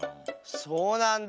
そうなんだ。